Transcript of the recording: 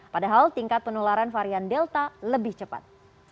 padahal tingkat penularan varian delta lebih cepat